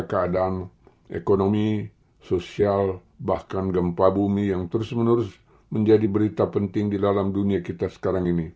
keadaan ekonomi sosial bahkan gempa bumi yang terus menerus menjadi berita penting di dalam dunia kita sekarang ini